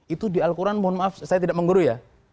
itu di al quran mohon maaf saya tidak mengguru ya